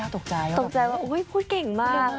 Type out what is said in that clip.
ตกใจว่าพูดเก่งมาก